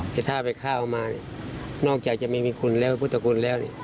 แต่ถ้าไปข้าวมานอกจากจะไม่มีคุณแล้วพุทธคุณแล้ว